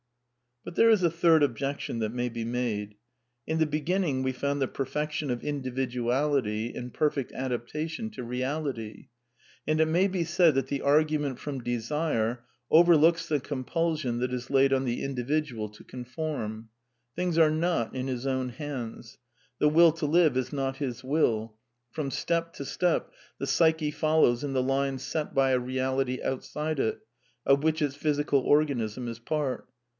But there is a third objection that may be made. In the beginning we found the perfection of individualily in perfect adaptation to reality. And it may be said that the argument from desire overlooks the compulsion that is laid on the individual to conform. Things are not in his own hands. The Will to live is not his will. From step to «tep the psyche follows in the lines set by a reality out side it, of which its physical organism is part.